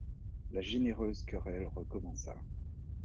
La généreuse querelle recommença.